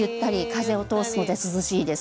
風を通すので涼しいです。